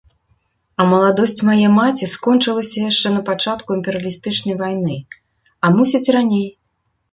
А маладосць мае маці скончылася яшчэ на пачатку імперыялістычнай вайны, а мусіць і раней.